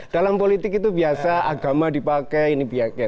dalam politik itu biasa agama dipakai ini biaya